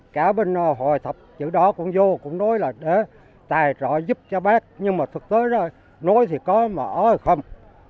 cả bên hội thập chữ đó cũng vô cũng nói là để tài trợ giúp cho bác nhưng mà thực tế nói thì có mà ơi không